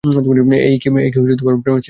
এই কি প্রেমের শৃঙ্খল!